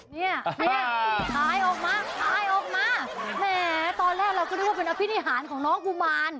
เนี่ยพายออกมาพายออกมาแหมตอนแรกเราก็นึกว่าเป็นอภินิหารของน้องกุมาร